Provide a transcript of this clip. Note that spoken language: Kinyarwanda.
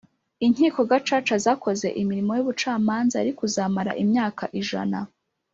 Inkiko gacaca zakoze imirimo y’ubucamanza yari kuzamara imyaka ijana